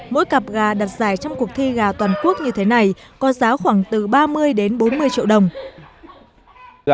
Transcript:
mỗi cặp gà đặt giải trong cuộc thi gà toàn quốc như thế này có giá khoảng từ ba mươi đến bốn mươi triệu đồng